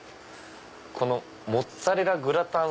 このモッツァレラグラタン